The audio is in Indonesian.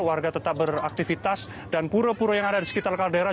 warga tetap beraktivitas dan pura pura yang ada di sekitar kaldera